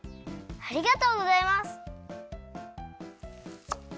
ありがとうございます！